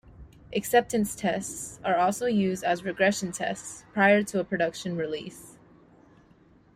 Acceptance tests are also used as regression tests prior to a production release.